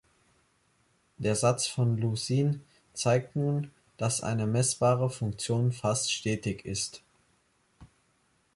Der Satz von Lusin zeigt nun, dass eine messbare Funktion „fast stetig“ ist.